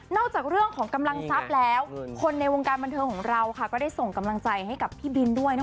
จากเรื่องของกำลังทรัพย์แล้วคนในวงการบันเทิงของเราก็ได้ส่งกำลังใจให้กับพี่บินด้วย